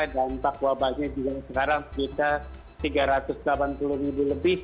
dampak wabahnya juga sekarang sekitar tiga ratus delapan puluh ribu lebih